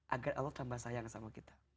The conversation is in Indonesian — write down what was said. agar allah tambah sayang sama kita